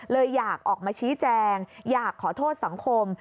เลยอยากออกมาชี้แจงอยากขอโทษสังคม